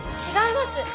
違います！